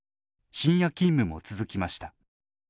深夜勤務も続きました。